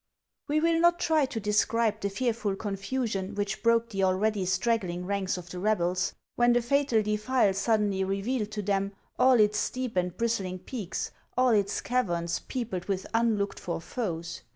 WE will not try to describe the fearful confusion which broke the already straggling ranks of the rebels, when the fatal defile suddenly revealed to them all 394 HAXS OF ICELAND. its steep and bristling peaks, all its caverns peopled with unlooked for foes.